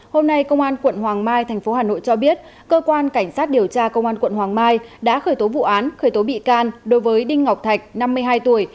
hôm nay công an quận hoàng mai tp hà nội cho biết cơ quan cảnh sát điều tra công an quận hoàng mai đã khởi tố vụ án khởi tố bị can đối với đinh ngọc thạch năm mươi hai tuổi